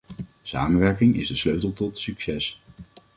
Samenwerking is de sleutel tot succes.